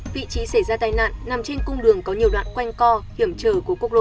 vị trí xảy ra tai nạn nằm trên cung đường có nhiều đoạn quanh co hiểm trở của quốc lộ một